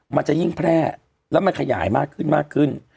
มันจะยิ่งแพร่และมันขยายมากขึ้น